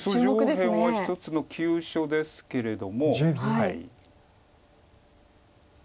上辺は一つの急所ですけれども。